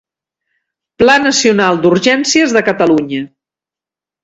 Pla nacional d'urgències de Catalunya.